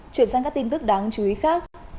chuyển sang các tin tức đáng chú ý khác